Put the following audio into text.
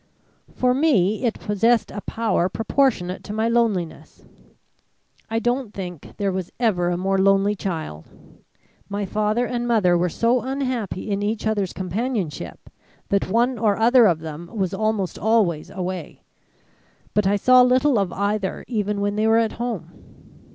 "For me it possessed a power proportionate to my loneliness. I don't think there was ever a more lonely child. My father and mother were so unhappy in each other's companionship that one or other of them was almost always away. But I saw little of either even when they were at home.